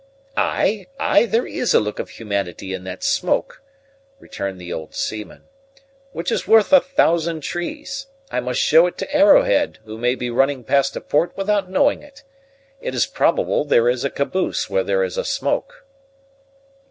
"Ay, ay; there is a look of humanity in that smoke," returned the old seaman, "which is worth a thousand trees. I must show it to Arrowhead, who may be running past a port without knowing it. It is probable there is a caboose where there is a smoke."